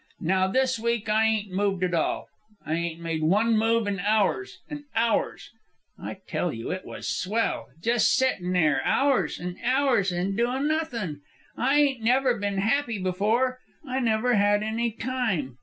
"Now this week I ain't moved at all. I ain't made one move in hours an' hours. I tell you it was swell, jes' settin' there, hours an' hours, an' doin' nothin'. I ain't never ben happy before. I never had any time.